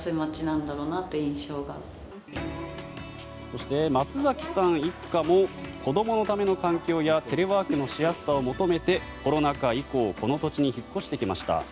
そして、松崎さん一家も子供のための環境やテレワークのしやすさを求めてコロナ禍以降この土地に引っ越してきました。